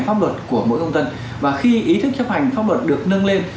pháp luật của mỗi công dân và khi ý thức chấp hành pháp luật được nâng lên